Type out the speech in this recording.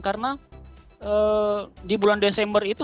karena di bulan desember itu